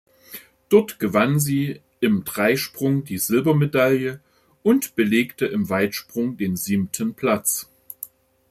Dort gewann sie im Dreisprung die Silbermedaille und belegte im Weitsprung den siebten Platz.